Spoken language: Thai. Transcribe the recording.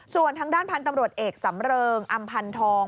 ส่วนทางด้านพันธุ์ตำรวจเอกสำเริงอำพันธอง